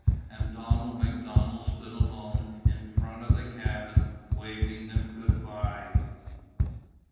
And Donald MacDonald stood alone in front of the cabin waving them good bye.